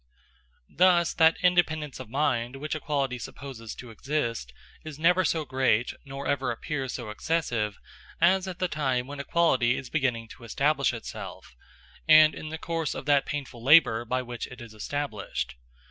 Thus, that independence of mind which equality supposes to exist, is never so great, nor ever appears so excessive, as at the time when equality is beginning to establish itself, and in the course of that painful labor by which it is established.